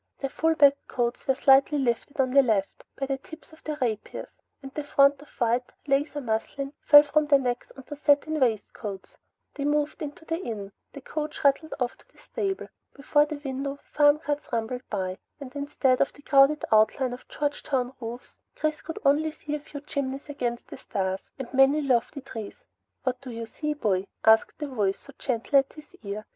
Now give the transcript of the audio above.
Their full backed coats were slightly lifted, on the left, by the tips of their rapiers, and a froth of white, lace or muslin, fell from their necks onto satin waistcoats. They moved into the inn; the coach rattled off to the stable. Before the window, farm carts rumbled by, and instead of the crowded outline of Georgetown roofs, Chris could see only a few chimneys against the stars, and many lofty trees. "What do you see, boy?" asked the voice, so gentle, at his ear.